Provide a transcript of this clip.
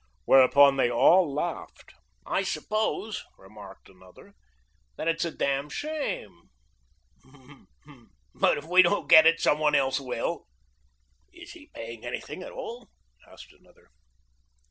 Whereupon they all laughed. "I suppose," remarked anther, "that it's a damn shame, but if we don't get it some one else will." "Is he paying anything at all?" asked another.